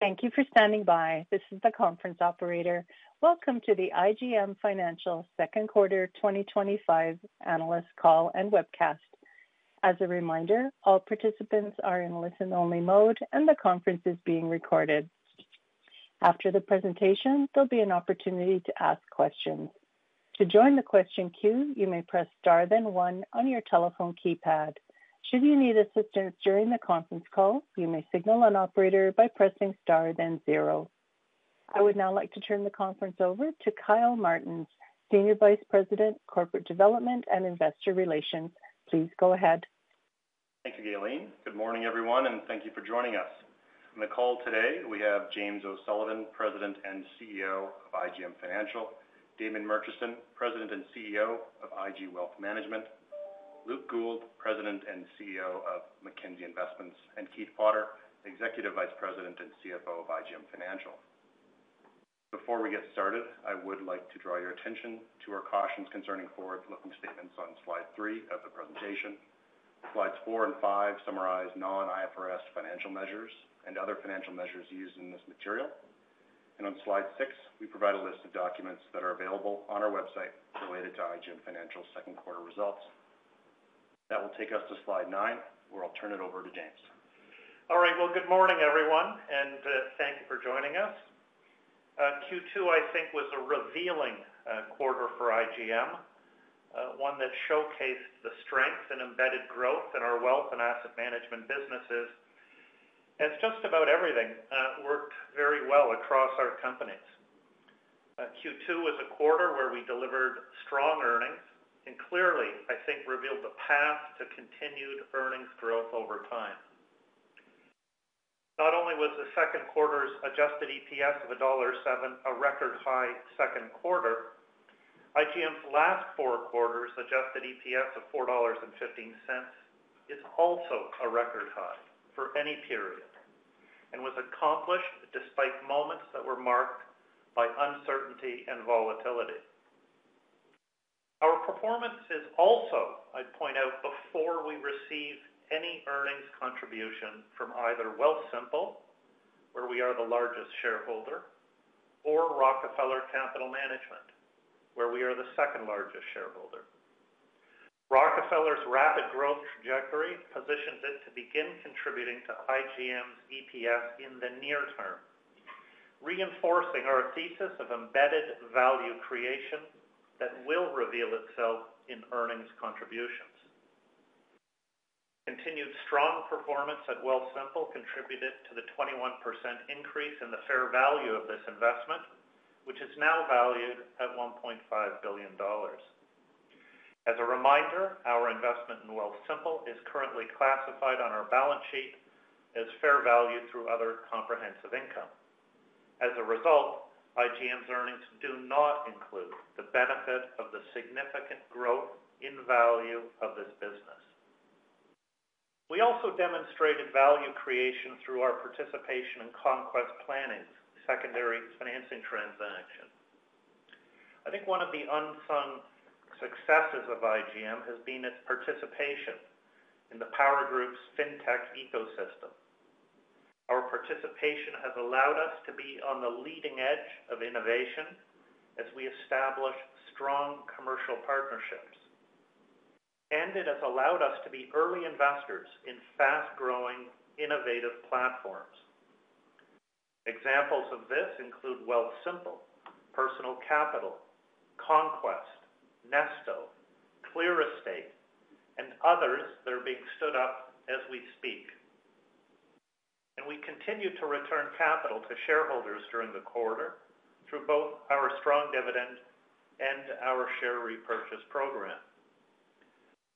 Thank you for standing by. This is the conference operator. Welcome to the IGM Financial Second Quarter 2025 Analyst Call and Webcast. As a reminder, all participants are in listen-only mode, and the conference is being recorded. After the presentation, there'll be an opportunity to ask questions. To join the question queue, you may press star one on your telephone keypad. Should you need assistance during the conference call, you may signal an operator by pressing star zero. I would now like to turn the conference over to Kyle Martens, Senior Vice President, Corporate Development and Investor Relations. Please go ahead. Thank you, [Kaylene]. Good morning, everyone, and thank you for joining us. On the call today, we have James O’Sullivan, President and CEO of IGM Financial; Damon Murchison, President and CEO of IG Wealth Management; Luke Gould, President and CEO of Mackenzie Investments; and Keith Potter, Executive Vice President and CFO of IGM Financial. Before we get started, I would like to draw your attention to our cautions concerning forward-looking statements on slide 3 of the presentation. Slides 4 and 5 summarize non-IFRS financial measures and other financial measures used in this material. On slide 6, we provide a list of documents that are available on our website related to IGM Financial's second quarter results. That will take us to slide 9, where I'll turn it over to James. All right. Good morning, everyone, and thank you for joining us. Q2, I think, was a revealing quarter for IGM, one that showcased the strengths and embedded growth in our wealth and asset management businesses. It worked very well across our companies. Q2 was a quarter where we delivered strong earnings and clearly, I think, revealed the path to continued earnings growth over time. Not only was the second quarter's adjusted EPS of CND 1.07 a record high second quarter, IGM Financial Inc.'s last four quarters' adjusted EPS of CND 4.15 is also a record high for any period and was accomplished despite moments that were marked by uncertainty and volatility. Our performance is also, I'd point out, before we receive any earnings contribution from either Wealthsimple, where we are the largest shareholder, or Rockefeller Capital Management, where we are the second largest shareholder. Rockefeller's rapid growth trajectory positions it to begin contributing to IGM's EPS in the near term, reinforcing our thesis of embedded value creation that will reveal itself in earnings contributions. Continued strong performance at Wealthsimple contributed to the 21% increase in the fair value of this investment, which is now valued at CND 1.5 billion. As a reminder, our investment in Wealthsimple is currently classified on our balance sheet as fair value through other comprehensive income. As a result, IGM's earnings do not include the benefit of the significant growth in value of this business. We also demonstrated value creation through our participation in Conquest Planning, the secondary financing transaction. I think one of the unsung successes of IGM has been its participation in the Power group's fintech ecosystem. Our participation has allowed us to be on the leading edge of innovation as we establish strong commercial partnerships. It has allowed us to be early investors in fast-growing, innovative platforms. Examples of this include Wealthsimple, Personal Capital, Conquest, nesto, ClearEstate, and others that are being stood up as we speak. We continue to return capital to shareholders during the quarter through both our strong dividend and our share repurchase program.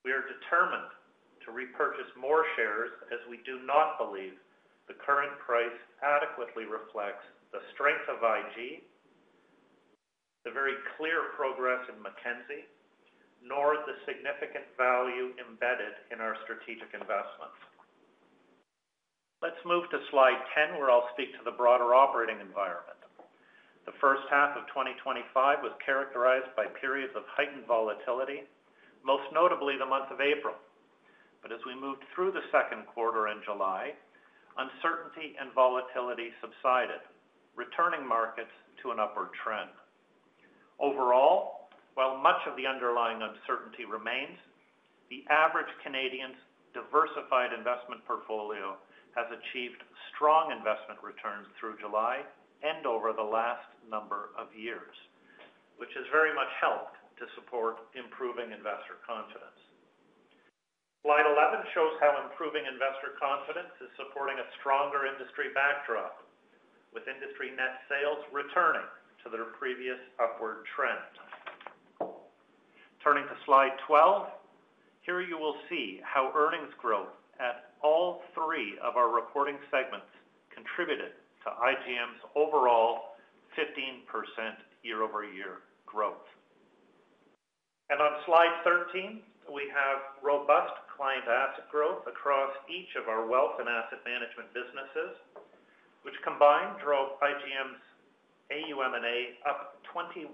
We are determined to repurchase more shares as we do not believe the current price adequately reflects the strength of IG Wealth Management, the very clear progress in Mackenzie Investments, nor the significant value embedded in our strategic investments. Let's move to slide 10, where I'll speak to the broader operating environment. The first half of 2025 was characterized by periods of heightened volatility, most notably the month of April. As we moved through the second quarter in July, uncertainty and volatility subsided, returning markets to an upward trend. Overall, while much of the underlying uncertainty remains, the average Canadian's diversified investment portfolio has achieved strong investment returns through July and over the last number of years, which has very much helped to support improving investor confidence. Slide 11 shows how improving investor confidence is supporting a stronger industry backdrop, with industry net sales returning to their previous upward trend. Turning to slide 12, here you will see how earnings growth at all three of our reporting segments contributed to IGM's overall 15% year-over-year growth. On slide 13, we have robust client asset growth across each of our wealth and asset management businesses, which combined drove IGM's AUM&A up 21%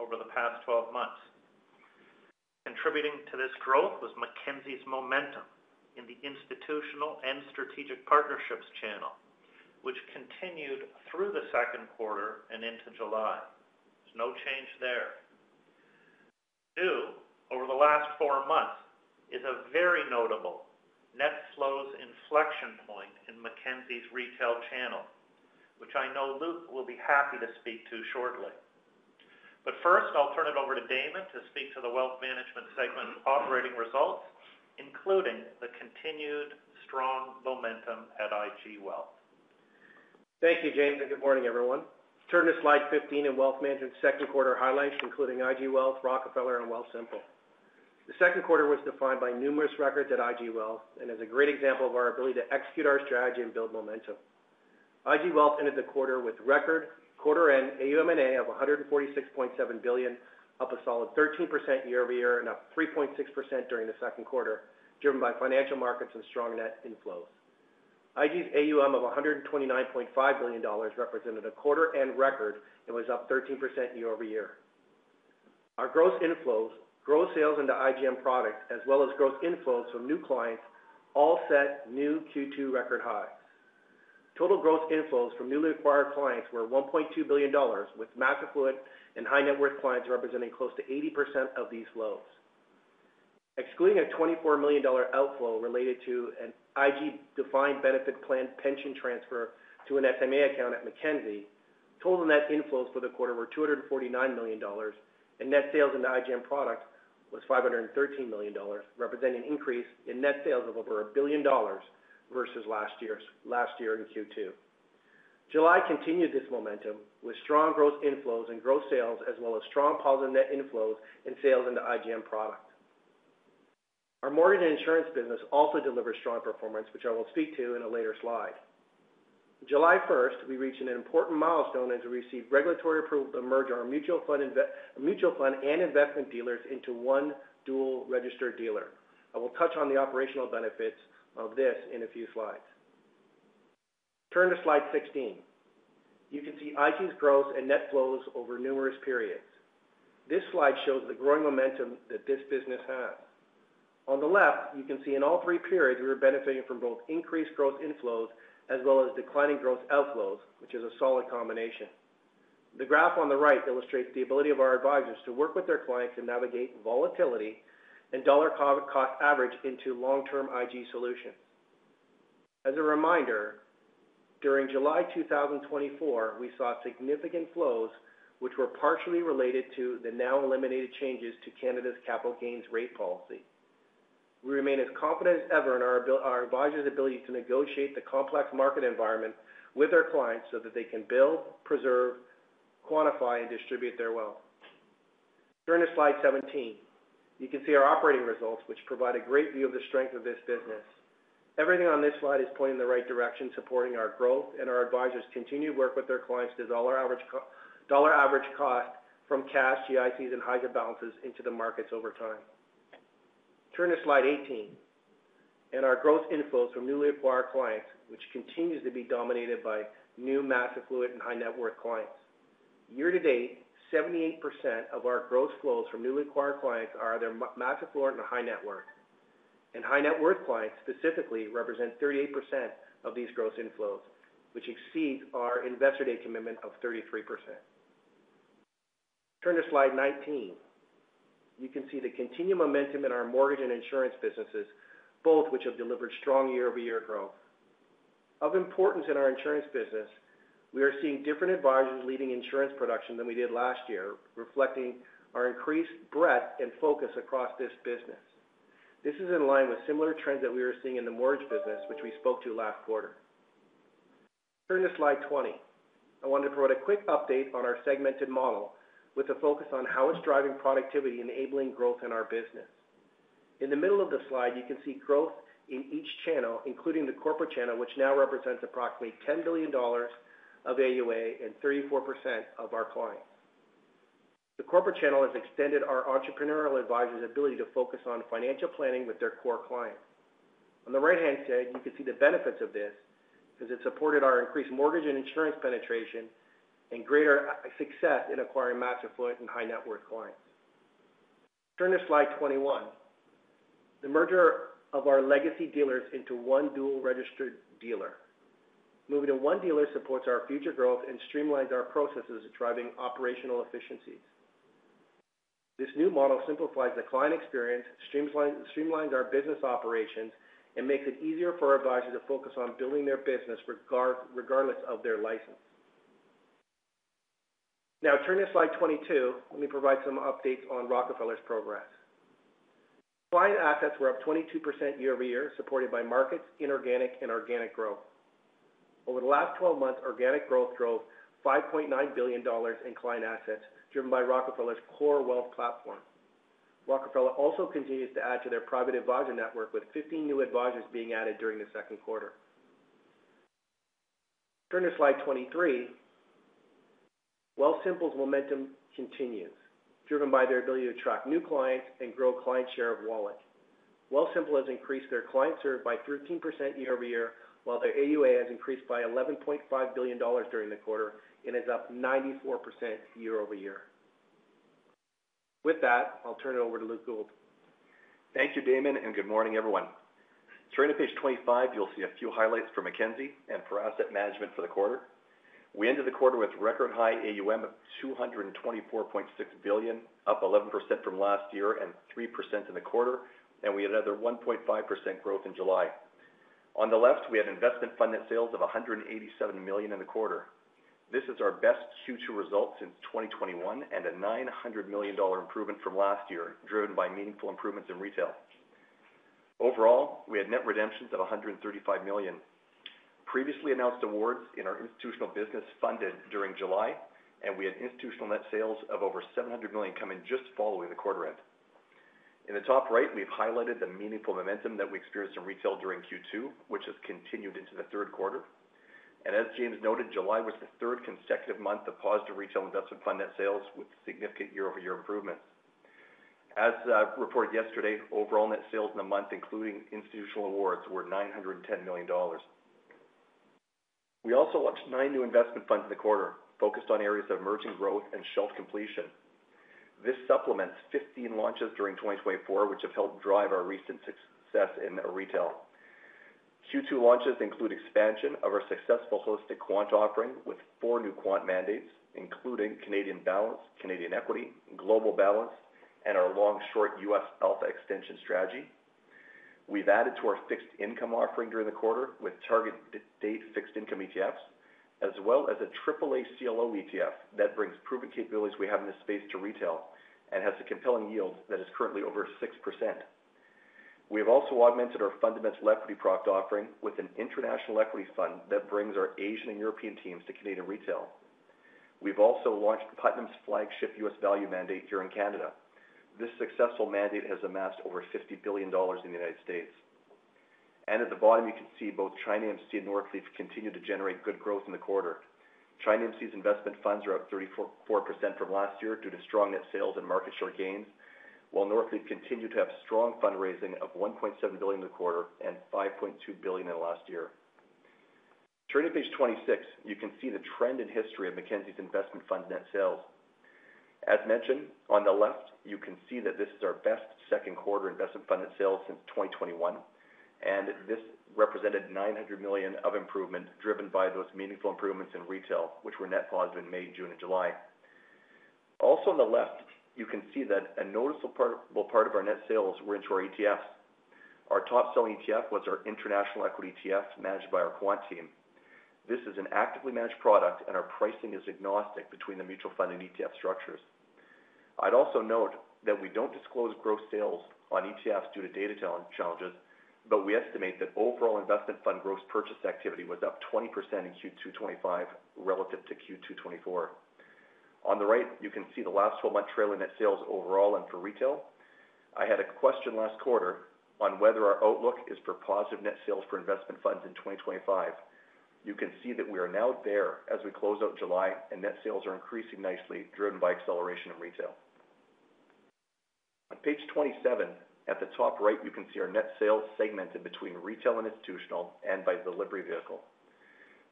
over the past 12 months. Contributing to this growth was Mackenzie's momentum in the institutional and strategic partnerships channel, which continued through the second quarter and into July. There's no change there. New, over the last four months, is a very notable net flows inflection point in Mackenzie's retail channel, which I know Luke will be happy to speak to shortly. First, I'll turn it over to Damon to speak to the wealth management segment and operating results, including the continued strong momentum at IG Wealth Management. Thank you, James, and good morning, everyone. To turn to slide 15 and Wealth Management's second quarter highlights, including IG Wealth, Rockefeller, and Wealthsimple. The second quarter was defined by numerous records at IG Wealth and is a great example of our ability to execute our strategy and build momentum. IG Wealth ended the quarter with record quarter-end AUM&A of CND 146.7 billion, up a solid 13% year-over-year and up 3.6% during the second quarter, driven by financial markets and strong net inflows. IG's AUM of CND 129.5 billion represented a quarter-end record and was up 13% year-over-year. Our gross inflows, gross sales into IGM products, as well as gross inflows from new clients, all set new Q2 record highs. Total gross inflows from newly acquired clients were CND 1.2 billion, with mass-affluent and high-net-worth clients representing close to 80% of these flows. Excluding a CND 24 million outflow related to an IG-defined benefit plan pension transfer to an FMA account at Mackenzie, total net inflows for the quarter were CND 249 million, and net sales into IGM products were CND 513 million, representing an increase in net sales of over CND 1 billion versus last year in Q2. July continued this momentum with strong gross inflows and gross sales, as well as strong positive net inflows and sales into IGM products. Our mortgage and insurance business also delivered strong performance, which I will speak to in a later slide. July 1st, we reached an important milestone as we received regulatory approval to merge our mutual fund and investment dealers into one dual registered dealer. I will touch on the operational benefits of this in a few slides. Turn to slide 16. You can see IG's growth and net flows over numerous periods. This slide shows the growing momentum that this business had. On the left, you can see in all three periods we were benefiting from both increased gross inflows as well as declining gross outflows, which is a solid combination. The graph on the right illustrates the ability of our advisors to work with their clients to navigate volatility and dollar-cost average into long-term IG solutions. As a reminder, during July 2024, we saw significant flows, which were partially related to the now-eliminated changes to Canada's capital gains rate policy. We remain as confident as ever in our advisors' ability to negotiate the complex market environment with our clients so that they can build, preserve, quantify, and distribute their wealth. Turn to slide 17. You can see our operating results, which provide a great view of the strength of this business. Everything on this slide is pointing in the right direction, supporting our growth and our advisors' continued work with their clients to dollar average cost from cash, GICs, and high debt balances into the markets over time. Turn to slide 18. Our gross inflows from newly acquired clients continue to be dominated by new mass-affluent and high-net-worth clients. Year to date, 78% of our gross flows from newly acquired clients are either mass-affluent or high-net-worth. High-net-worth clients specifically represent 38% of these gross inflows, which exceeds our investor-date commitment of 33%. Turn to slide 19. You can see the continued momentum in our mortgage and insurance businesses, both of which have delivered strong year-over-year growth. Of importance in our insurance business, we are seeing different advisors leading insurance production than we did last year, reflecting our increased breadth and focus across this business. This is in line with similar trends that we were seeing in the mortgage business, which we spoke to last quarter. Turn to slide 20. I wanted to provide a quick update on our segmented model with a focus on how it's driving productivity, enabling growth in our business. In the middle of the slide, you can see growth in each channel, including the corporate channel, which now represents approximately CND 10 billion of AUA and 34% of our clients. The corporate channel has extended our entrepreneurial advisors' ability to focus on financial planning with their core clients. On the right-hand side, you can see the benefits of this because it supported our increased mortgage and insurance penetration and greater success in acquiring mass-affluent and high-net-worth clients. Turn to slide 21. The merger of our legacy dealers into one dual registered dealer. Moving to one dealer supports our future growth and streamlines our processes to drive operational efficiencies. This new model simplifies the client experience, streamlines our business operations, and makes it easier for our advisors to focus on building their business regardless of their license. Now, turn to slide 22. Let me provide some updates on Rockefeller's progress. Client assets were up 22% year-over-year, supported by markets, inorganic, and organic growth. Over the last 12 months, organic growth drove CND 5.9 billion in client assets, driven by Rockefeller's Core Wealth platform. Rockefeller also continues to add to their private advisor network, with 15 new advisors being added during the second quarter. Turn to slide 23. Wealthsimple's momentum continues, driven by their ability to attract new clients and grow client share of wallet. Wealthsimple has increased their client survey by 13% year-over-year, while their AUA has increased by CND 11.5 billion during the quarter and is up 94% year-over-year. With that, I'll turn it over to Luke Gould. Thank you, Damon, and good morning, everyone. Turning to page 25, you'll see a few highlights for Mackenzie and for asset management for the quarter. We ended the quarter with record high AUM of CND 224.6 billion, up 11% from last year and 3% in the quarter, and we had another 1.5% growth in July. On the left, we had investment fund net sales of CND 187 million in the quarter. This is our best Q2 result since 2021 and a CND 900 million improvement from last year, driven by meaningful improvements in retail. Overall, we had net redemptions of CND 135 million. Previously announced awards in our institutional business funded during July, and we had institutional net sales of over CND 700 million coming just following the quarter end. In the top right, we've highlighted the meaningful momentum that we experienced in retail during Q2, which has continued into the third quarter. As James noted, July was the third consecutive month of positive retail investment fund net sales with significant year-over-year improvements. As reported yesterday, overall net sales in the month, including institutional awards, were CND 910 million. We also launched nine new investment funds in the quarter, focused on areas of emerging growth and shelf completion. This supplements 15 launches during 2024, which have helped drive our recent success in retail. Q2 launches include expansion of our successful holistic quant offering with four new quant mandates, including Canadian Balance, Canadian Equity, Global Balance, and our long-short U.S. Alpha extension strategy. We've added to our fixed income offering during the quarter with target date fixed income ETFs, as well as a AAA CLO ETF that brings proven capabilities we have in this space to retail and has a compelling yield that is currently over 6%. We've also augmented our fundamental equity product offering with an international equity fund that brings our Asian and European teams to Canadian retail. We've also launched Putnam's flagship U.S. value mandate here in Canada. This successful mandate has amassed over CND 50 billion in the United States. At the bottom, you can see both ChinaAMC and Northleaf continue to generate good growth in the quarter. ChinaAMC's investment funds are up 34% from last year due to strong net sales and market share gains, while Northleaf continued to have strong fundraising of CND 1.7 billion in the quarter and CND 5.2 billion in the last year. Turning to page 26, you can see the trend and history of Mackenzie Investments' investment fund net sales. As mentioned, on the left, you can see that this is our best second quarter investment fund net sales since 2021, and this represented CND 900 million of improvement, driven by those meaningful improvements in retail, which were net positive in May, June, and July. Also on the left, you can see that a noticeable part of our net sales were into our ETFs. Our top selling ETF was our international equity ETF managed by our quant team. This is an actively managed product, and our pricing is agnostic between the mutual fund and ETF structures. I'd also note that we don't disclose gross sales on ETFs due to data challenges, but we estimate that overall investment fund gross purchase activity was up 20% in Q2 2025 relative to Q2 2024. On the right, you can see the last 12 months trailing net sales overall and for retail. I had a question last quarter on whether our outlook is for positive net sales for investment funds in 2025. You can see that we are now there as we close out July, and net sales are increasing nicely, driven by acceleration in retail. On page 27, at the top right, you can see our net sales segmented between retail and institutional and by the delivery vehicle.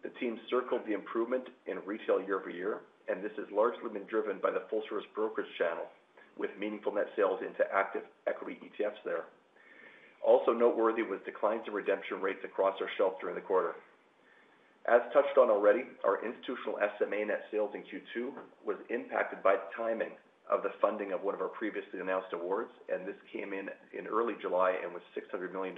The team circled the improvement in retail year-over-year, and this has largely been driven by the full-service brokerage channel with meaningful net sales into active equity ETFs there. Also noteworthy was declines in redemption rates across our shelf in the quarter. As touched on already, our institutional SMA net sales in Q2 was impacted by timing of the funding of one of our previously announced awards, and this came in in early July and was CND 600 million.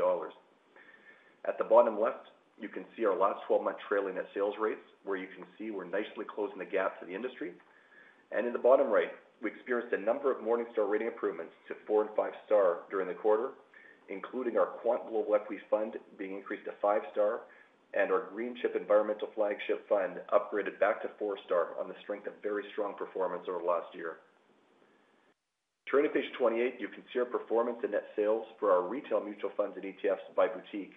At the bottom left, you can see our last 12 months trailing net sales rates, where you can see we're nicely closing the gap to the industry. In the bottom right, we experienced a number of Morningstar rating improvements to four and five star during the quarter, including our quant global equity fund being increased to five star and our Greenchip Environmental flagship fund upgraded back to four star on the strength of very strong performance over the last year. Turning to page 28, you can see our performance in net sales for our retail mutual funds and ETFs by boutique.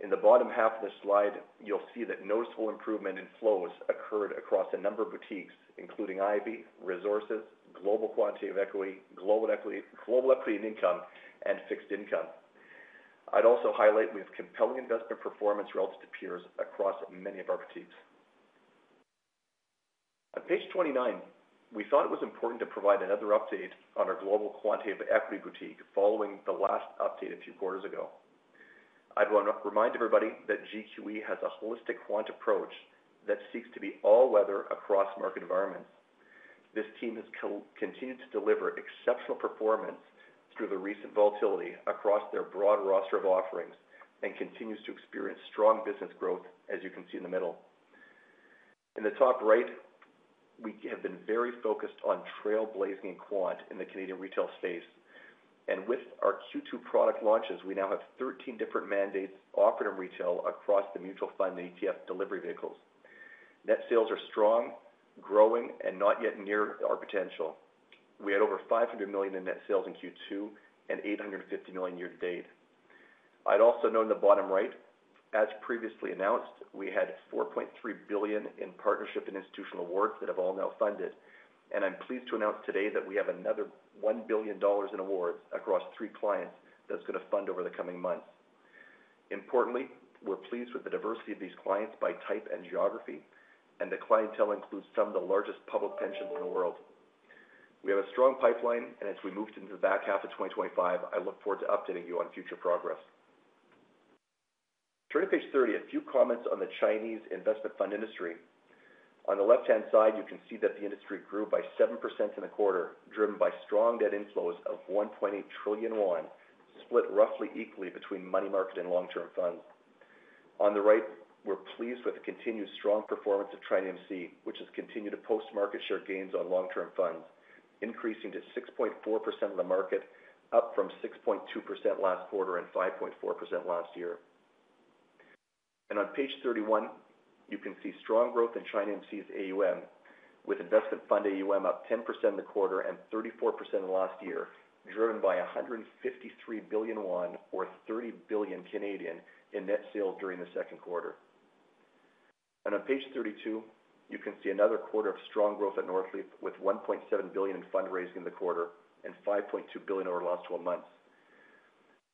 In the bottom half of the slide, you'll see that noticeable improvement in flows occurred across a number of boutiques, including Ivy, Resources, Global Quantitative Equity, Global Equity and Income, and Fixed Income. I'd also highlight we have compelling investment performance relative to peers across many of our boutiques. On page 29, we thought it was important to provide another update on our Global Quantitative Equity boutique following the last update a few quarters ago. I'd want to remind everybody that GQE has a holistic quant approach that seeks to be all-weather across market environments. This team has continued to deliver exceptional performance through the recent volatility across their broad roster of offerings and continues to experience strong business growth, as you can see in the middle. In the top right, we have been very focused on trailblazing in quant in the Canadian retail space. With our Q2 product launches, we now have 13 different mandates offered in retail across the mutual fund and ETF delivery vehicles. Net sales are strong, growing, and not yet near our potential. We had over CND 500 million in net sales in Q2 and CND 850 million year to date. I'd also note in the bottom right, as previously announced, we had CND 4.3 billion in partnership and institutional awards that have all now funded. I'm pleased to announce today that we have another CND 1 billion in awards across three clients that's going to fund over the coming months. Importantly, we're pleased with the diversity of these clients by type and geography, and the clientele includes some of the largest public pensions in the world. We have a strong pipeline, and as we move into the back half of 2025, I look forward to updating you on future progress. Turning to page 30, a few comments on the Chinese investment fund industry. On the left-hand side, you can see that the industry grew by 7% in the quarter, driven by strong net inflows of CNY 1.8 trillion, split roughly equally between money market and long-term funds. On the right, we're pleased with the continued strong performance of ChinaAMC, which has continued to post market share gains on long-term funds, increasing to 6.4% in the market, up from 6.2% last quarter and 5.4% last year. On page 31, you can see strong growth in ChinaAMC's AUM, with investment fund AUM up 10% in the quarter and 34% in the last year, driven by CNY 153 billion, or CND 30 billion Canadian, in net sales during the second quarter. On page 32, you can see another quarter of strong growth at Northleaf, with CND 1.7 billion in fundraising in the quarter and CND 5.2 billion over the last 12 months.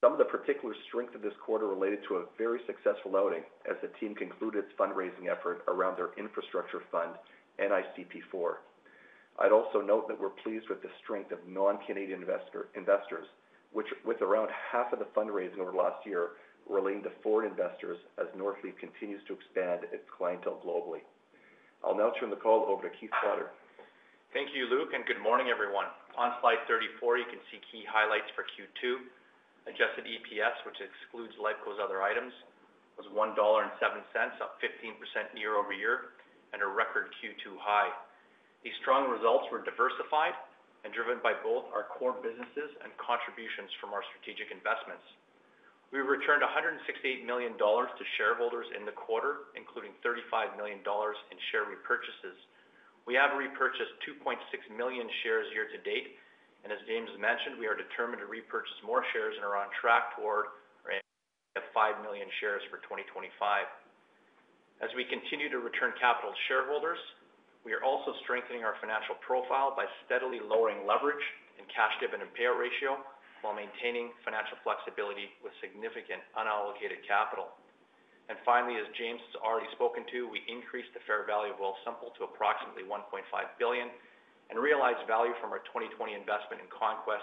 Some of the particular strength of this quarter related to a very successful outing, as the team concluded its fundraising effort around their infrastructure fund, NICP IV. I'd also note that we're pleased with the strength of non-Canadian investors, which, with around half of the fundraising over the last year, were leaned to foreign investors as Northleaf continues to expand its clientele globally. I'll now turn the call over to Keith Potter. Thank you, Luke, and good morning, everyone. On slide 34, you can see key highlights for Q2. Adjusted EPS, which excludes LECO's other items, was CND 1.07, up 15% year-over-year and a record Q2 high. These strong results were diversified and driven by both our core businesses and contributions from our strategic investments. We returned CND 168 million to shareholders in the quarter, including CND 35 million in share repurchases. We have repurchased 2.6 million shares year to date, and as James mentioned, we are determined to repurchase more shares and are on track toward the 5 million shares for 2025. As we continue to return capital to shareholders, we are also strengthening our financial profile by steadily lowering leverage and cash dividend payout ratio while maintaining financial flexibility with significant unallocated capital. Finally, as James has already spoken to, we increased the fair value of Wealthsimple to approximately CND 1.5 billion and realized value from our 2020 investment in Conquest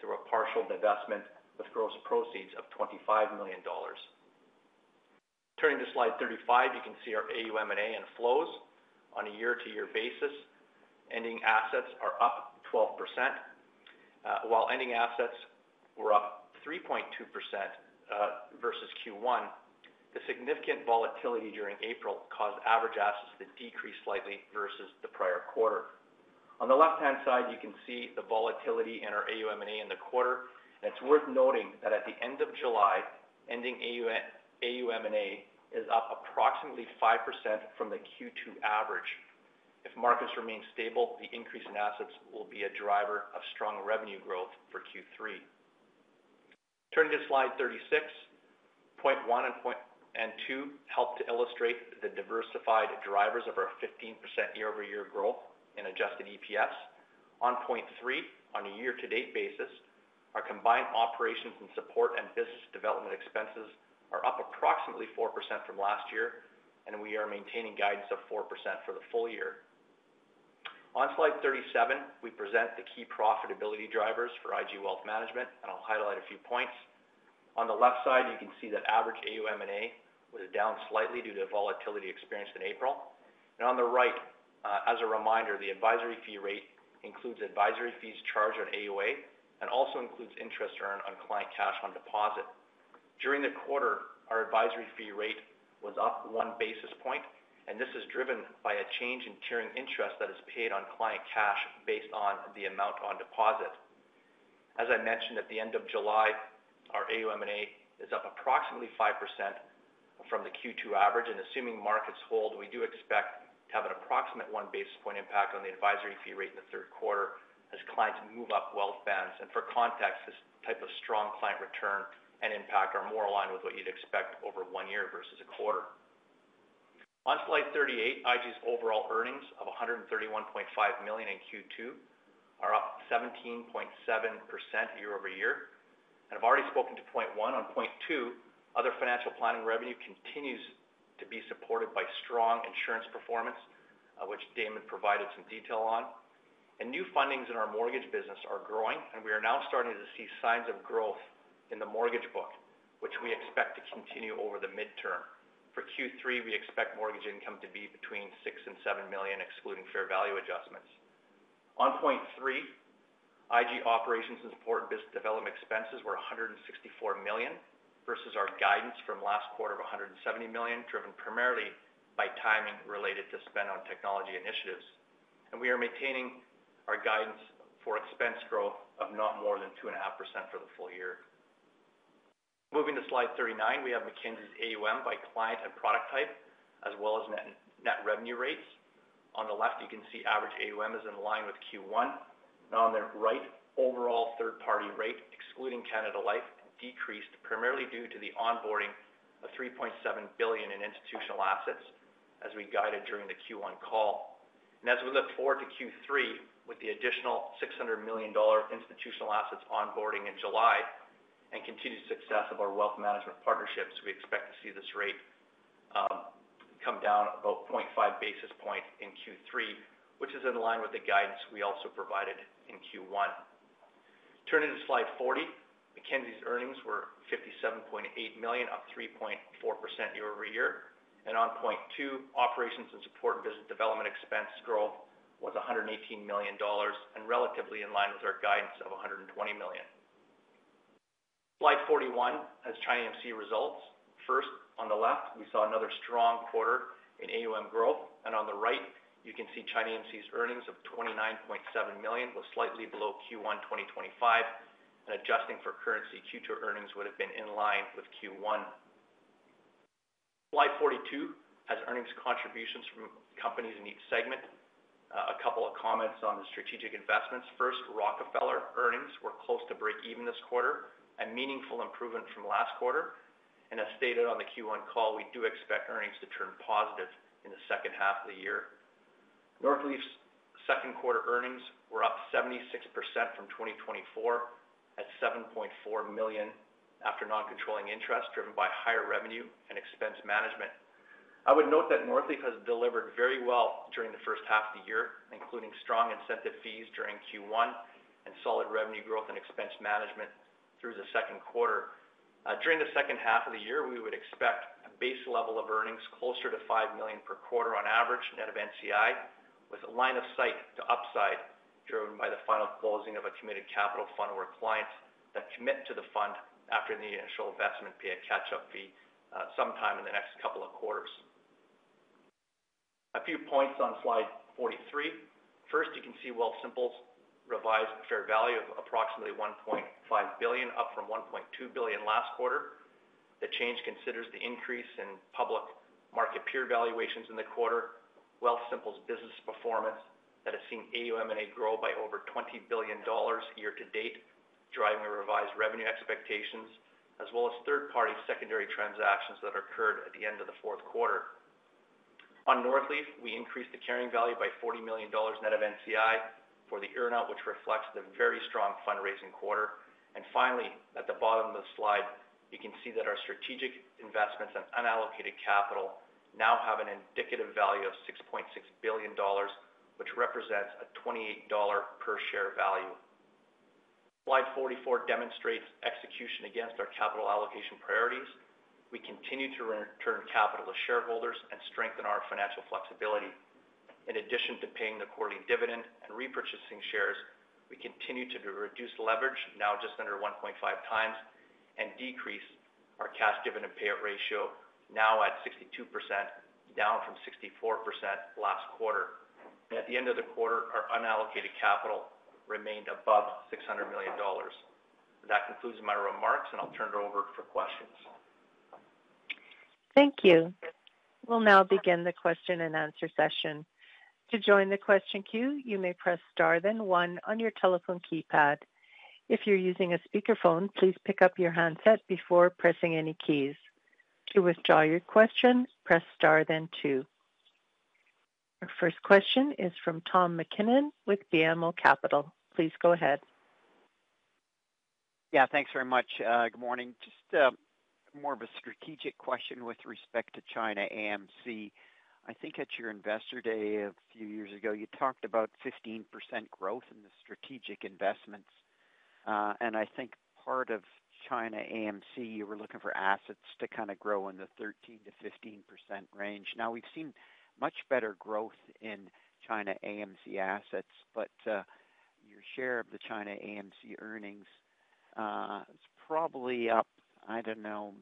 through a partial divestment with gross proceeds of CND 25 million. Turning to slide 35, you can see our AUM&A and flows on a year-to-year basis. Ending assets are up 12%. While ending assets were up 3.2% versus Q1, the significant volatility during April caused average assets to decrease slightly versus the prior quarter. On the left-hand side, you can see the volatility in our AUM&A in the quarter, and it's worth noting that at the end of July, ending AUM&A is up approximately 5% from the Q2 average. If markets remain stable, the increase in assets will be a driver of strong revenue growth for Q3. Turning to slide 36, point one and point two help to illustrate the diversified drivers of our 15% year-over-year growth in adjusted EPS. On point three, on a year-to-date basis, our combined operations and support and business development expenses are up approximately 4% from last year, and we are maintaining guidance of 4% for the full year. On slide 37, we present the key profitability drivers for IG Wealth Management, and I'll highlight a few points. On the left side, you can see that average AUM&A was down slightly due to the volatility experienced in April. On the right, as a reminder, the advisory fee rate includes advisory fees charged on AUA and also includes interest earned on client cash on deposit. During the quarter, our advisory fee rate was up one basis point, and this is driven by a change in tiering interest that is paid on client cash based on the amount on deposit. As I mentioned, at the end of July, our AUM&A is up approximately 5% from the Q2 average, and assuming markets hold, we do expect to have an approximate one basis point impact on the advisory fee rate in the third quarter as clients move up wealth bands. For context, this type of strong client return and impact are more aligned with what you'd expect over one year versus a quarter. On slide 38, IG's overall earnings of CND 131.5 million in Q2 are up 17.7% year-over-year. I've already spoken to point one. On point two, other financial planning revenue continues to be supported by strong insurance performance, which Damon provided some detail on. New fundings in our mortgage business are growing, and we are now starting to see signs of growth in the mortgage book, which we expect to continue over the midterm. For Q3, we expect mortgage income to be between CND 6 million-CND 7 million, excluding fair value adjustments. On point three, IG operations and support and business development expenses were CND 164 million versus our guidance from last quarter of CND 170 million, driven primarily by timing related to spend on technology initiatives. We are maintaining our guidance for expense growth of not more than 2.5% for the full year. Moving to slide 39, we have Mackenzie's AUM by client and product type, as well as net net revenue rates. On the left, you can see average AUM is in line with Q1. On the right, overall third-party rate, excluding Canada Life, decreased primarily due to the onboarding of CND 3.7 billion in institutional assets as we guided during the Q1 call. As we look forward to Q3, with the additional CND 600 million institutional assets onboarding in July and continued success of our wealth management partnerships, we expect to see this rate come down about 0.5 basis points in Q3, which is in line with the guidance we also provided in Q1. Turning to slide 40, Mackenzie's earnings were CND 57.8 million, up 3.4% year-over-year. On point two, operations and support and business development expense growth was CND 118 million and relatively in line with our guidance of CND 120 million. Slide 41 has ChinaAMC results. First, on the left, we saw another strong quarter in AUM growth. On the right, you can see ChinaAMC's earnings of CND 29.7 million, both slightly below Q1 2025. Adjusting for currency, Q2 earnings would have been in line with Q1. Slide 42 has earnings contributions from companies in each segment. A couple of comments on the strategic investments. First, Rockefeller earnings were close to break even this quarter, a meaningful improvement from last quarter. As stated on the Q1 call, we do expect earnings to turn positive in the second half of the year. Northleaf's second quarter earnings were up 76% from 2024 at CND 7.4 million after non-controlling interest driven by higher revenue and expense management. I would note that Northleaf has delivered very well during the first half of the year, including strong incentive fees during Q1 and solid revenue growth and expense management through the second quarter. During the second half of the year, we would expect a base level of earnings closer to CND 5 million per quarter on average net of NCI, with a line of sight to upside driven by the final closing of a committed capital fund where clients that commit to the fund after the initial investment pay a catch-up fee sometime in the next couple of quarters. A few points on slide 43. First, you can see Wealthsimple's revised fair value of approximately CND 1.5 billion, up from CND 1.2 billion last quarter. The change considers the increase in public market peer valuations in the quarter, Wealthsimple's business performance that has seen AUM&A grow by over CND 20 billion year to date, driving revised revenue expectations, as well as third-party secondary transactions that occurred at the end of the fourth quarter. On Northleaf, we increased the carrying value by CND 40 million net of NCI for the earnout, which reflects the very strong fundraising quarter. Finally, at the bottom of the slide, you can see that our strategic investments and unallocated capital now have an indicative value of CND 6.6 billion, which represents a CND 28 per share value. Slide 44 demonstrates execution against our capital allocation priorities. We continue to return capital to shareholders and strengthen our financial flexibility. In addition to paying the quarterly dividend and repurchasing shares, we continue to reduce leverage, now just under 1.5x, and decrease our cash dividend payout ratio, now at 62%, down from 64% last quarter. At the end of the quarter, our unallocated capital remained above CND 600 million. That concludes my remarks, and I'll turn it over for questions. Thank you. We'll now begin the question-and-answer session. To join the question queue, you may press star then one on your telephone keypad. If you're using a speakerphone, please pick up your handset before pressing any keys. To withdraw your question, press star then two. Our first question is from Tom Mackinnon with BMO Capital. Please go ahead. Yeah, thanks very much. Good morning. Just more of a strategic question with respect to ChinaAMC. I think at your investor day a few years ago, you talked about 15% growth in the strategic investments. I think part of ChinaAMC, you were looking for assets to kind of grow in the 13%-15% range. Now we've seen much better growth in ChinaAMC assets, but your share of the ChinaAMC earnings is probably up, I don't know,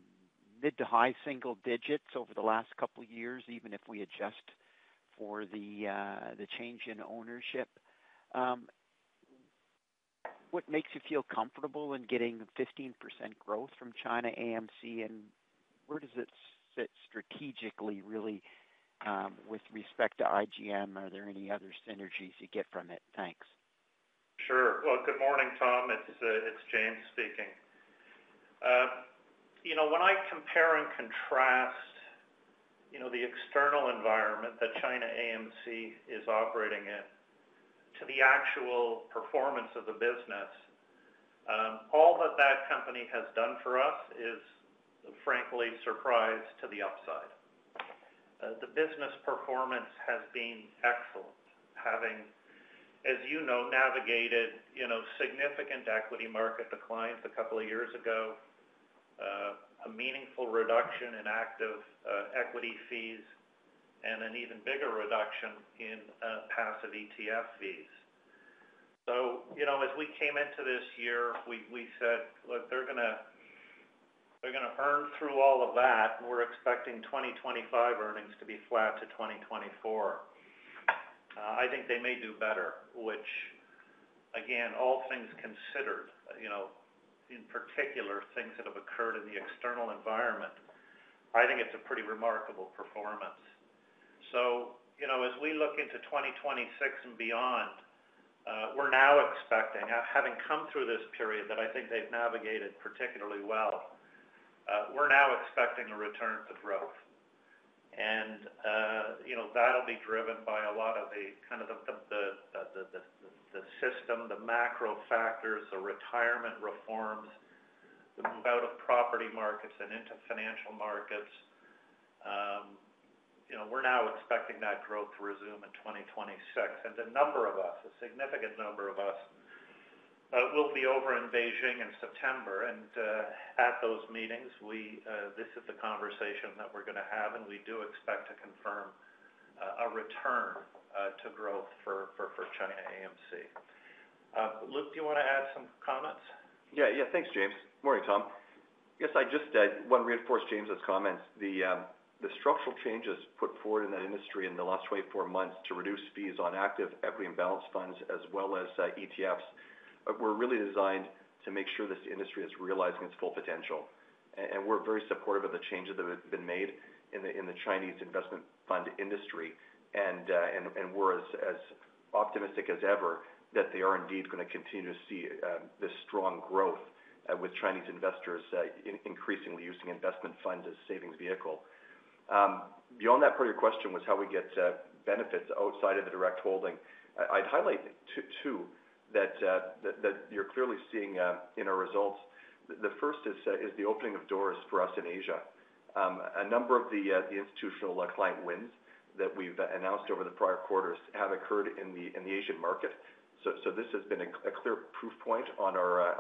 mid to high single digits over the last couple of years, even if we adjust for the change in ownership. What makes you feel comfortable in getting 15% growth from ChinaAMC, and where does it sit strategically, really with respect to IGM? Are there any other synergies you get from it? Thanks. Sure. Good morning, Tom. It's James speaking. When I compare and contrast the external environment that ChinaAMC is operating in to the actual performance of the business, all that that company has done for us is, frankly, surprise to the upside. The business performance has been excellent, having, as you know, navigated significant equity market declines a couple of years ago, a meaningful reduction in active equity fees, and an even bigger reduction in passive ETF fees. As we came into this year, we said, look, they're going to earn through all of that, and we're expecting 2025 earnings to be flat to 2024. I think they may do better, which, again, all things considered, in particular, things that have occurred in the external environment, I think it's a pretty remarkable performance. As we look into 2026 and beyond, we're now expecting, having come through this period that I think they've navigated particularly well, a return to growth. That'll be driven by a lot of the system, the macro factors, the retirement reforms, the out-of-property markets, and into financial markets. We're now expecting that growth to resume in 2026. A number of us, a significant number of us, will be over in Beijing in September. At those meetings, this is the conversation that we're going to have, and we do expect to confirm a return to growth for ChinaAMC. Luke, do you want to add some comments? Yeah, thanks, James. Morning, Tom. I just want to reinforce James's comments. The structural changes put forward in that industry in the last 24 months to reduce fees on active equity and balanced funds, as well as ETFs, were really designed to make sure that the industry is realizing its full potential. We're very supportive of the changes that have been made in the Chinese investment fund industry. We're as optimistic as ever that they are indeed going to continue to see this strong growth with Chinese investors increasingly using investment funds as a savings vehicle. Beyond that, part of your question was how we get benefits outside of the direct holding. I'd highlight, too, that you're clearly seeing in our results. The first is the opening of doors for us in Asia. A number of the institutional client wins that we've announced over the prior quarters have occurred in the Asian market. This has been a clear proof point on our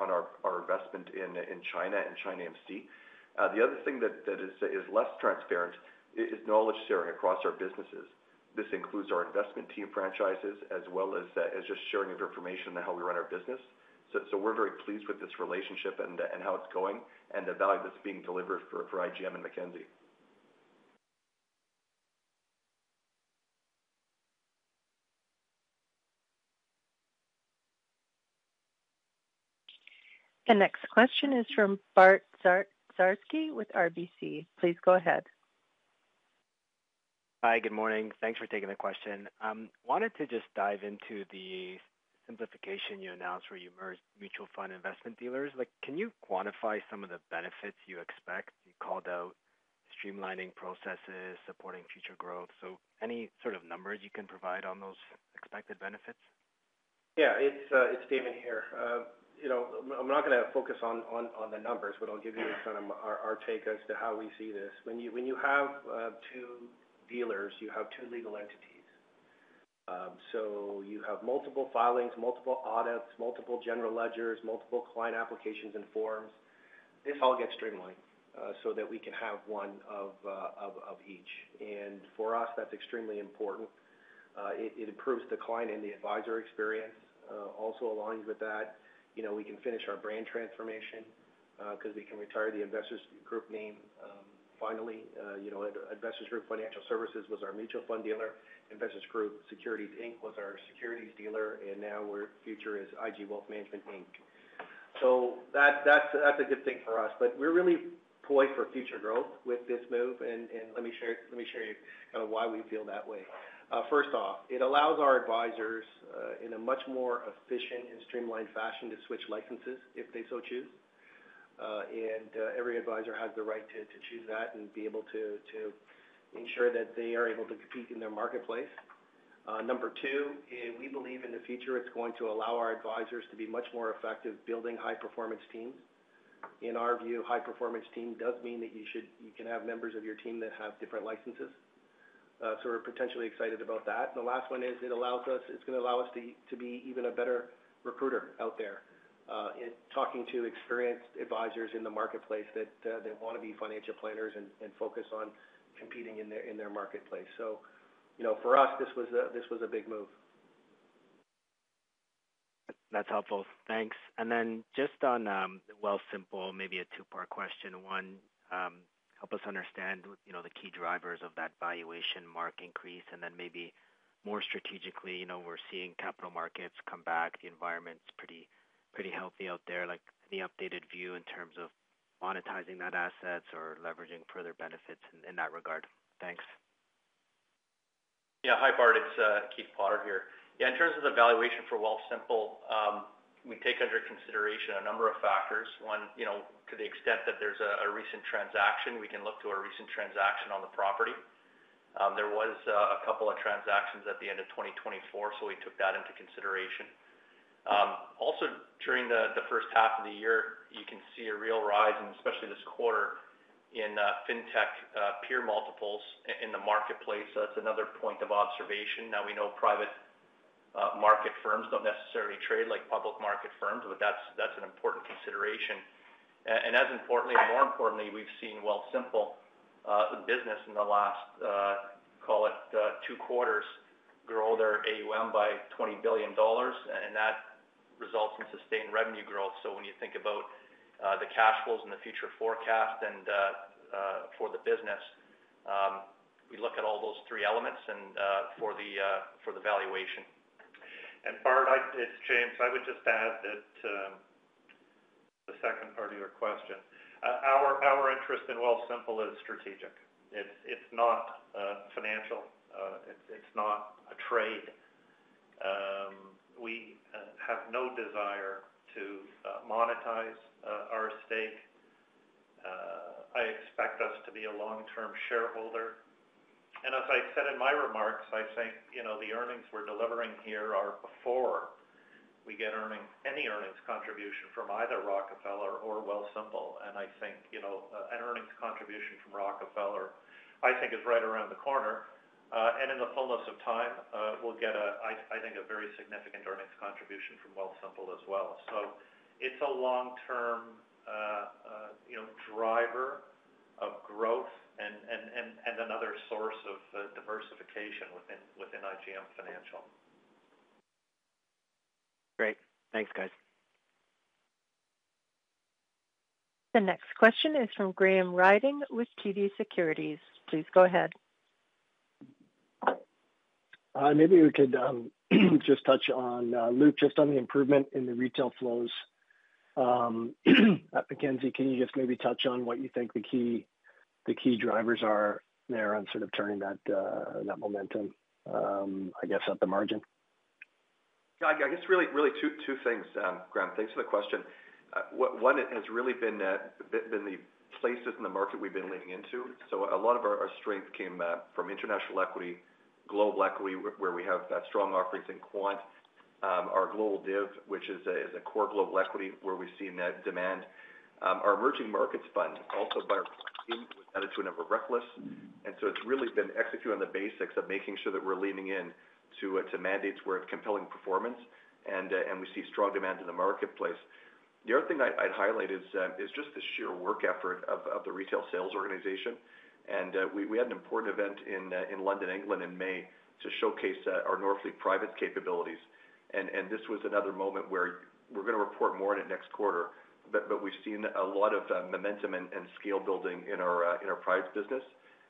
investment in China and ChinaAMC. The other thing that is less transparent is knowledge sharing across our businesses. This includes our investment team franchises, as well as just sharing of information on how we run our business. We're very pleased with this relationship and how it's going and the value that's being delivered for IGM and Mackenzie. The next question is from Bart Dziarski with RBC. Please go ahead. Hi, good morning. Thanks for taking the question. I wanted to just dive into the simplification you announced where you merged mutual fund and investment dealers. Can you quantify some of the benefits you expect? You called out streamlining processes, supporting future growth. Any sort of numbers you can provide on those expected benefits? Yeah, it's Damon here. I'm not going to focus on the numbers, but I'll give you kind of our take as to how we see this. When you have two dealers, you have two legal entities. You have multiple filings, multiple audits, multiple general ledgers, multiple client applications and forms. This all gets streamlined so that we can have one of each. For us, that's extremely important. It improves the client and the advisor experience. Also, it aligns with that, you know, we can finish our brand transformation because we can retire the Investors Group name. Finally, Investors Group Financial Services was our mutual fund dealer. Investors Group Securities Inc was our securities dealer. Now our future is IG Wealth Management Inc. That's a good thing for us. We're really poised for future growth with this move. Let me share you kind of why we feel that way. First off, it allows our advisors in a much more efficient and streamlined fashion to switch licenses if they so choose. Every advisor has the right to choose that and be able to ensure that they are able to compete in their marketplace. Number two, we believe in the future, it's going to allow our advisors to be much more effective building high-performance teams. In our view, a high-performance team does mean that you can have members of your team that have different licenses. We're potentially excited about that. The last one is it allows us, it's going to allow us to be even a better recruiter out there in talking to experienced advisors in the marketplace that want to be financial planners and focus on competing in their marketplace. For us, this was a big move. That's helpful. Thanks. Just on Wealthsimple, maybe a two-part question. One, help us understand the key drivers of that valuation mark increase. Maybe more strategically, we're seeing capital markets come back. The environment's pretty healthy out there. Any updated view in terms of monetizing that asset or leveraging further benefits in that regard? Thanks. Yeah, hi, Bart. It's Keith Potter here. In terms of the valuation for Wealthsimple, we take under consideration a number of factors. One, to the extent that there's a recent transaction, we can look to a recent transaction on the property. There were a couple of transactions at the end of 2024, so we took that into consideration. Also, during the first half of the year, you can see a real rise, and especially this quarter, in fintech peer multiples in the marketplace. That's another point of observation. Now we know private market firms don't necessarily trade like public market firms, but that's an important consideration. As importantly, and more importantly, we've seen Wealthsimple business in the last, call it, two quarters, grow their AUM by CND 20 billion. That results in sustained revenue growth. When you think about the cash flows and the future forecast for the business, we look at all those three elements for the valuation. Bart, it's James. I would just add to the earlier question. Our interest in Wealthsimple is strategic. It's not financial. It's not a trade. We have no desire to monetize our stake. I expect us to be a long-term shareholder. As I said in my remarks, the earnings we're delivering here are before we get any earnings contribution from either Rockefeller or Wealthsimple. I think an earnings contribution from Rockefeller is right around the corner. In the fullness of time, we'll get, I think, a very significant earnings contribution from Wealthsimple as well. It's a long-term driver of growth and another source of diversification within IGM Financial. Great. Thanks, guys. The next question is from Graham Ryding with TD Securities. Please go ahead. Hi, maybe we could just touch on, Luke, just on the improvement in the retail flows. Mackenzie, can you just maybe touch on what you think the key drivers are there on sort of turning that momentum, I guess, at the margin? Yeah, I guess really, really two things, Graham. Thanks for the question. One, it has really been the places in the market we've been leaning into. A lot of our strength came from international equity, global equity, where we have that strong offerings in quant. Our global div, which is a core global equity, where we've seen that demand. Our emerging markets fund, [GQE], added to another reckless. It's really been executing on the basics of making sure that we're leaning into mandates where it's compelling performance. We see strong demand in the marketplace. The other thing I'd highlight is just the sheer work effort of the retail sales organization. We had an important event in London, England, in May to showcase our Northleaf Private's capabilities. This was another moment where we're going to report more in the next quarter. We've seen a lot of momentum and scale building in our private business.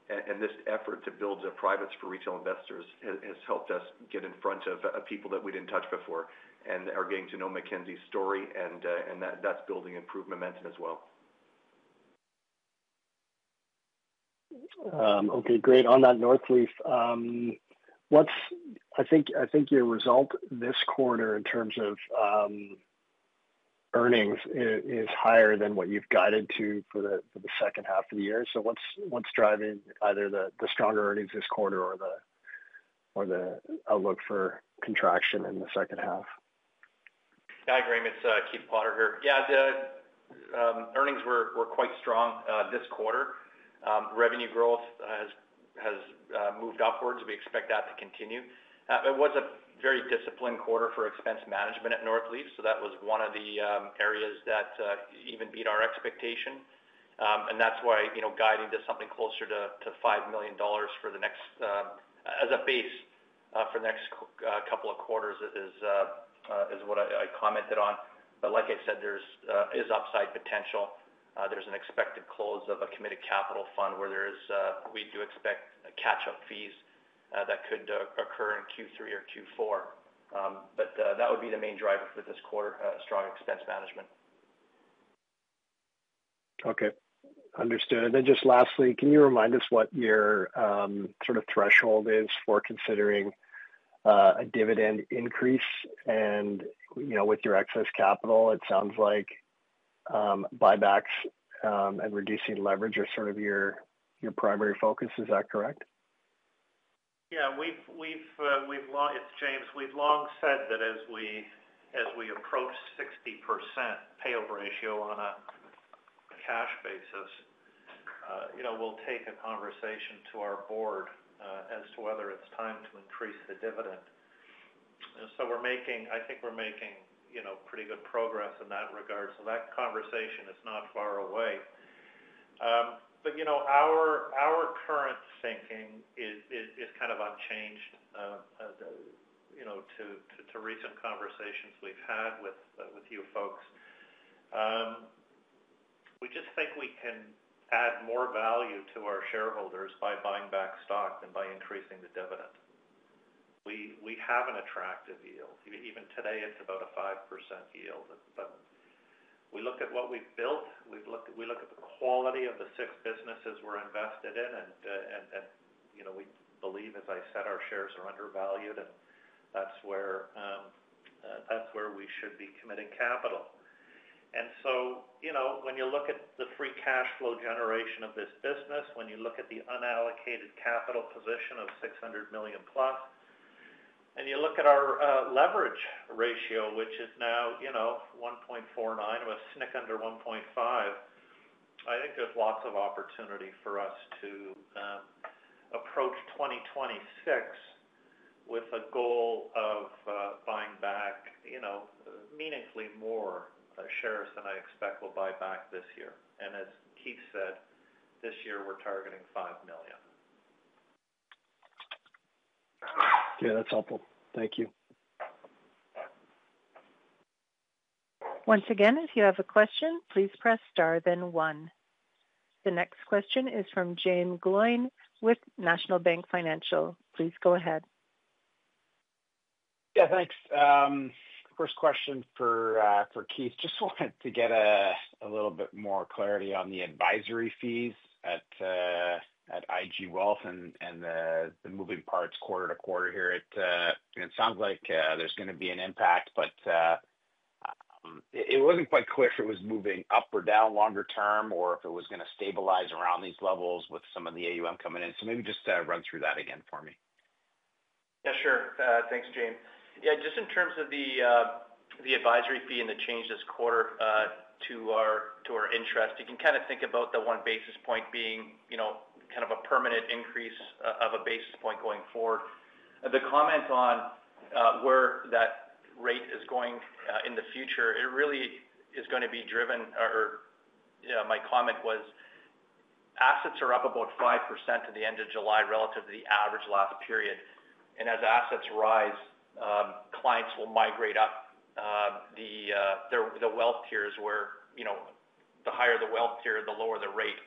This effort to build Private's for retail investors has helped us get in front of people that we didn't touch before and are getting to know Mackenzie Investments' story. That's building improved momentum as well. Okay, great. On that Northleaf, I think your result this quarter in terms of earnings is higher than what you've guided to for the second half of the year. What's driving either the stronger earnings this quarter or the outlook for contraction in the second half? Yeah, Graham, it's Keith Potter here. The earnings were quite strong this quarter. Revenue growth has moved upwards. We expect that to continue. It was a very disciplined quarter for expense management at Northleaf. That was one of the areas that even beat our expectation. That's why, you know, guiding to something closer to CND 5 million for the next as a base for the next couple of quarters is what I commented on. Like I said, there is upside potential. There's an expected close of a committed capital fund where we do expect catch-up fees that could occur in Q3 or Q4. That would be the main driver for this quarter, strong expense management. Okay, understood. Lastly, can you remind us what your sort of threshold is for considering a dividend increase? With your excess capital, it sounds like buybacks and reducing leverage are your primary focus. Is that correct? Yeah, we've long, it's James, we've long said that as we approach a 60% payout ratio on a cash basis, we'll take a conversation to our board as to whether it's time to increase the dividend. We're making, I think we're making pretty good progress in that regard. That conversation is not far away. Our current thinking is kind of unchanged to recent conversations we've had with you folks. We just think we can add more value to our shareholders by buying back stock and by increasing the dividend. We have an attractive yield. Even today, it's about a 5% yield. We look at what we've built. We look at the quality of the six businesses we're invested in. We believe, as I said, our shares are undervalued. That's where we should be committing capital. When you look at the free cash flow generation of this business, when you look at the unallocated capital position of CND 600 million+, and you look at our leverage ratio, which is now 1.49x, I'm a snick under 1.5x, I think there's lots of opportunity for us to approach 2026 with a goal of buying back meaningfully more shares than I expect we'll buy back this year. As Keith said, this year we're targeting 5 million. Okay, that's helpful. Thank you. Once again, if you have a question, please press star then one. The next question is from Jaeme Gloyn with National Bank Financial. Please go ahead. Yeah, thanks. First question for Keith. Just wanted to get a little bit more clarity on the advisory fees at IG Wealth and the moving parts quarter to quarter here. It sounds like there's going to be an impact, but it wasn't quite clear if it was moving up or down longer term or if it was going to stabilize around these levels with some of the AUM coming in. Maybe just run through that again for me. Yeah, sure. Thanks, Jaeme. Yeah, just in terms of the advisory fee and the change this quarter to our interest, you can kind of think about the one basis point being, you know, kind of a permanent increase of a basis point going forward. The comment on where that rate is going in the future, it really is going to be driven, or you know, my comment was assets are up about 5% at the end of July relative to the average last period. As assets rise, clients will migrate up the wealth tiers where, you know, the higher the wealth tier, the lower the rate.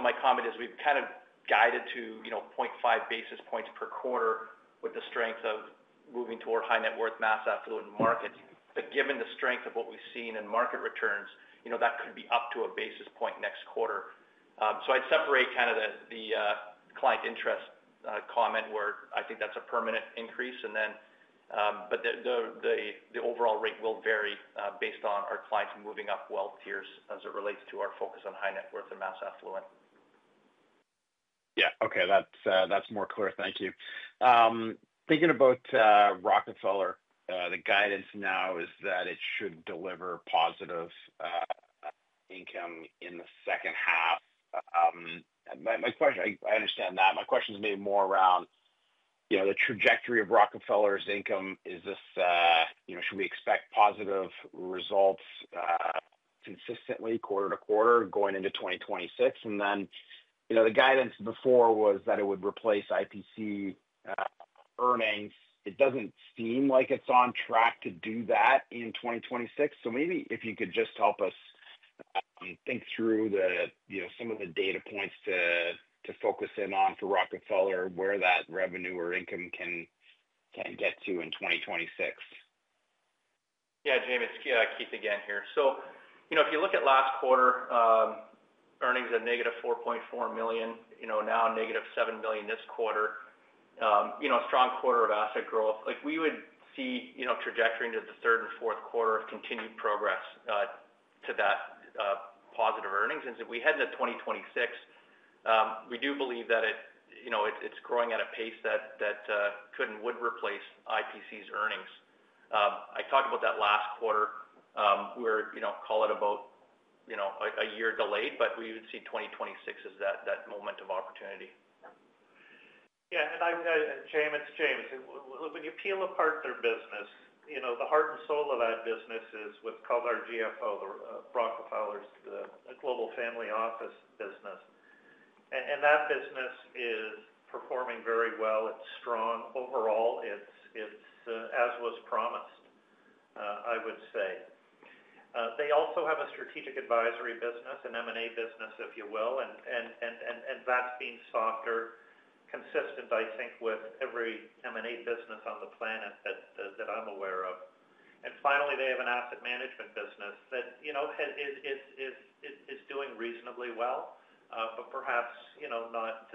My comment is we've kind of guided to, you know, 0.5 basis points per quarter with the strength of moving toward high net worth mass outflow in markets. Given the strength of what we've seen in market returns, you know, that could be up to a basis point next quarter. I'd separate kind of the client interest comment where I think that's a permanent increase. The overall rate will vary based on our clients moving up wealth tiers as it relates to our focus on high net worth and mass outflow. Yeah, okay, that's more clear. Thank you. Thinking about Rockefeller, the guidance now is that it should deliver positive income in the second half. My question, I understand that. My question is maybe more around, you know, the trajectory of Rockefeller's income. Is this, you know, should we expect positive results consistently quarter to quarter going into 2026? The guidance before was that it would replace IPC earnings. It doesn't seem like it's on track to do that in 2026. Maybe if you could just help us think through the, you know, some of the data points to focus in on for Rockefeller, where that revenue or income can get to in 2026. Yeah, Jaeme, it's Keith again here. If you look at last quarter, earnings at -CND 4.4 million, now -CND 7 million this quarter, a strong quarter of asset growth. We would see trajectory into the third and fourth quarter of continued progress to that positive earnings. If we head into 2026, we do believe that it's growing at a pace that could and would replace IPC's earnings. I talked about that last quarter where, call it about a year delayed, but we would see 2026 as that momentum opportunity. Yeah, and I'm going to, Jaeme, it's James. When you peel apart their business, the heart and soul of that business is what's called our GFO, the Rockefellers, the global family office business. That business is performing very well. It's strong overall. It's as was promised, I would say. They also have a strategic advisory business, an M&A business, if you will. That's being softer, consistent, I think, with every M&A business on the planet that I'm aware of. Finally, they have an asset management business that is doing reasonably well, but perhaps, you know, not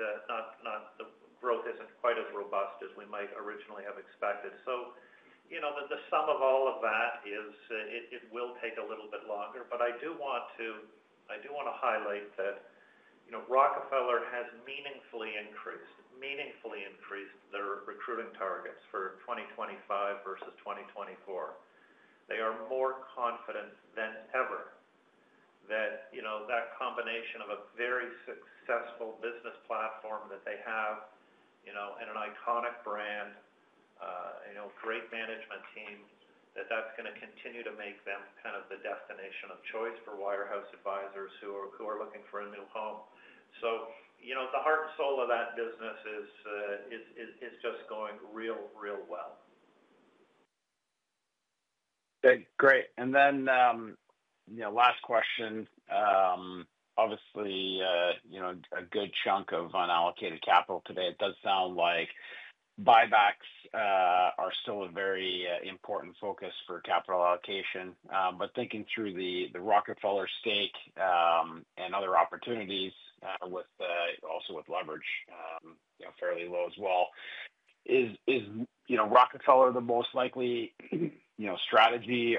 broke, isn't quite as robust as we might originally have expected. The sum of all of that is it will take a little bit longer. I do want to highlight that Rockefeller has meaningfully increased, meaningfully increased their recruiting targets for 2025 versus 2024. They are more confident than ever that combination of a very successful business platform that they have and an iconic brand, great management team, that's going to continue to make them kind of the destination of choice for wirehouse advisors who are looking for a new home. The heart and soul of that business is just going real, real well. Okay, great. Last question. Obviously, a good chunk of unallocated capital today. It does sound like buybacks are still a very important focus for capital allocation. Thinking through the Rockefeller stake and other opportunities, also with leverage fairly low as well, is Rockefeller the most likely strategy?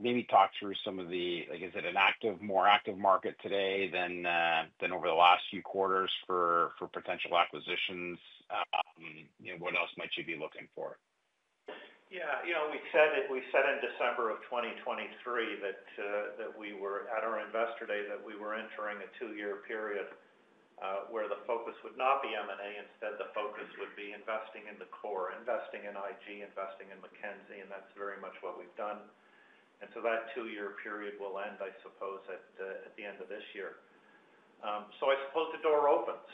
Maybe talk through some of the, is it a more active market today than over the last few quarters for potential acquisitions? What else might you be looking for? Yeah, we said it. We said in December of 2023 at our investor day that we were entering a two-year period where the focus would not be M&A. Instead, the focus would be investing in the core, investing in IG, investing in Mackenzie, and that's very much what we've done. That two-year period will end, I suppose, at the end of this year. I suppose the door opens.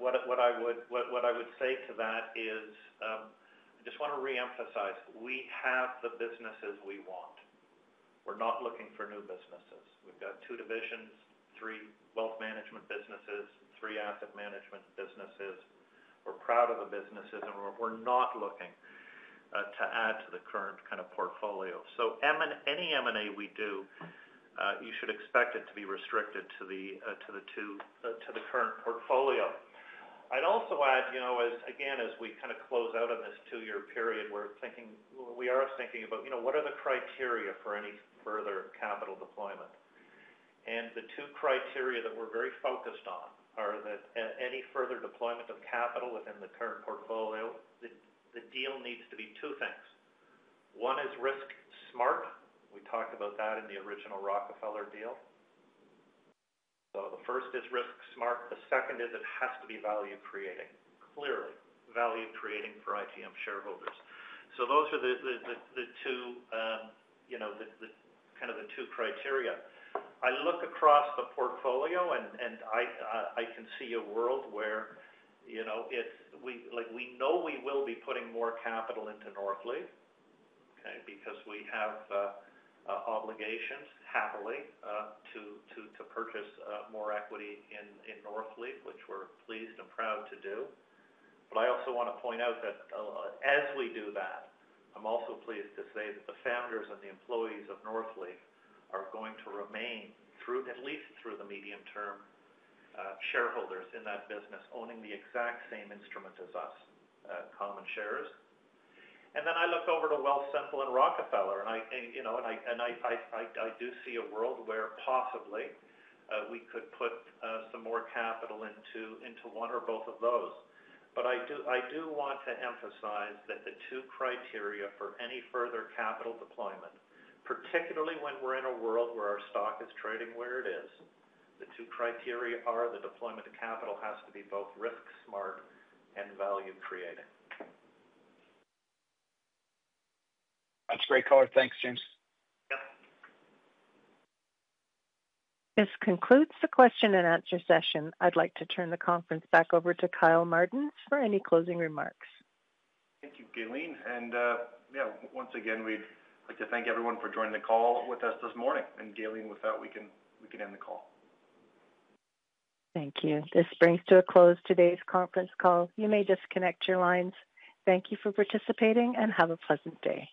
What I would say to that is I just want to reemphasize that we have the businesses we want. We're not looking for new businesses. We've got two divisions, three wealth management businesses, three asset management businesses. We're proud of the businesses, and we're not looking to add to the current kind of portfolio. Any M&A we do, you should expect it to be restricted to the current portfolio. I'd also add, as we kind of close out on this two-year period, we're thinking about what are the criteria for any further capital deployment. The two criteria that we're very focused on are that any further deployment of capital within the current portfolio, the deal needs to be two things. One is risk smart. We talked about that in the original Rockefeller deal. The first is risk smart. The second is it has to be value creating, clearly value creating for IGM shareholders. Those are the two criteria. I look across the portfolio and I can see a world where we know we will be putting more capital into Northleaf because we have obligations happily to purchase more equity in Northleaf, which we're pleased and proud to do. I also want to point out that as we do that, I'm also pleased to say that the founders and the employees of Northleaf are going to remain, at least through the medium term, shareholders in that business owning the exact same instrument as us, common shares. I look over to Wealthsimple and Rockefeller, and I do see a world where possibly we could put some more capital into one or both of those. I do want to emphasize that the two criteria for any further capital deployment, particularly when we're in a world where our stock is trading where it is, the two criteria are the deployment of capital has to be both risk smart and value creating. That's great, caller. Thanks, James. This concludes the question-and-answer session. I'd like to turn the conference back over to Kyle Martens for any closing remarks. Thank you, [Kaylene]. Once again, we'd like to thank everyone for joining the call with us this morning. [Kaylene], with that, we can end the call. Thank you. This brings to a close today's conference call. You may disconnect your lines. Thank you for participating and have a pleasant day.